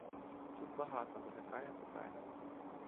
Тут багато виникає питань.